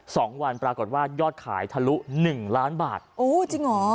สองวันปรากฏว่ายอดขายทะลุ๑ล้านบาทเลยจริงหรอ